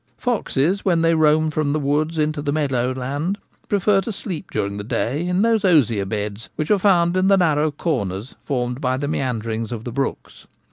Foxes, when they roam from the woods into the meadow land, prefer to sleep during the day in those osier beds which are found in the narrow corners formed by the meanderings of the brooks.